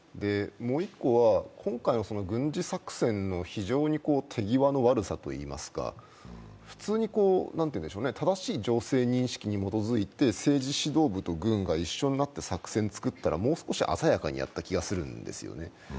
もう１個は、今回の軍事作戦の非常に手際の悪さといいますか、普通に正しい情勢認識に基づいて政治指導部と軍が一緒になって作戦を作ったらもう少し鮮やかにやった気がするんですよね。